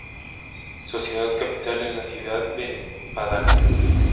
Su ciudad capital es la ciudad de Padang.